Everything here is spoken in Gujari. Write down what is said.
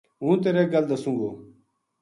ہوں ترے گل دسوں گو